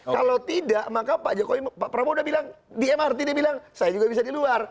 kalau tidak maka pak prabowo udah bilang di mrt dia bilang saya juga bisa di luar